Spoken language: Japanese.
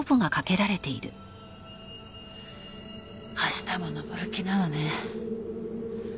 明日も登る気なのね。